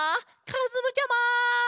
かずむちゃま！